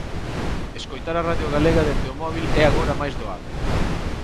Escoitar a Radio Galega desde o móbil é agora máis doado.